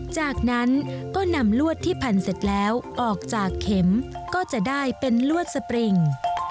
จากนั้นก็นำลวดที่พันเสร็จแล้วออกจากเข็มก็จะได้เป็นลวดสปริง